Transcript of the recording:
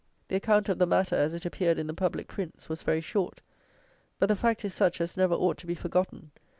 The account of the matter, as it appeared in the public prints, was very short; but the fact is such as never ought to be forgotten.